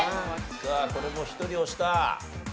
さあこれも１人押した。